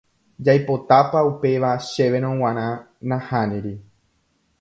Jaipotápa upéva chéverõ g̃uarã nahániri.